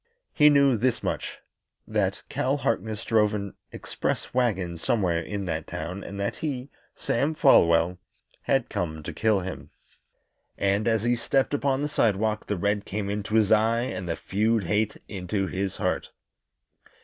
He knew this much that Cal Harkness drove an express wagon somewhere in that town, and that he, Sam Folwell, had come to kill him. And as he stepped upon the sidewalk the red came into his eye and the feud hate into his heart.